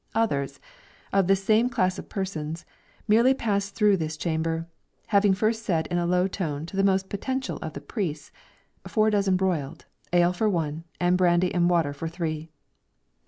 Others, of this same class of persons, merely pass through this chamber, having first said in a low tone to the most potential of the priests, "Four dozen broiled; ale for one, and brandy and water for three."